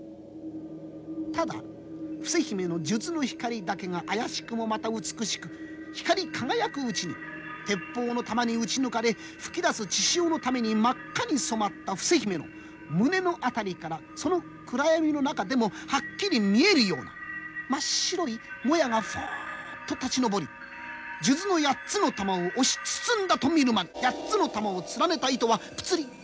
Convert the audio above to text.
ただ伏姫の数珠の光だけがあやしくもまた美しく光り輝くうちに鉄砲の弾に撃ち抜かれ噴き出す血潮のために真っ赤に染まった伏姫の胸の辺りからその暗闇の中でもはっきり見えるような真っ白いもやがフワッと立ち昇り数珠の八つの珠を押し包んだと見る間に八つの珠を連ねた糸はぷつりぷつりと切れて。